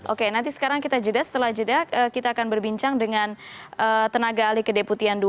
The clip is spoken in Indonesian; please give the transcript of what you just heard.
oke nanti sekarang kita jeda setelah jeda kita akan berbincang dengan tenaga ahli kedeputian dua